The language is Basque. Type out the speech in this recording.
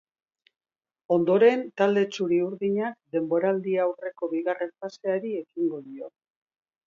Ondoren, talde txuri urdinak denboraldiaurreko bigarren faseari ekingo dio.